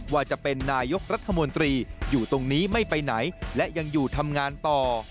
ว่าจะเป็นนายกรัฐมนตรีอยู่ตรงนี้ไม่ไปไหนและยังอยู่ทำงานต่อ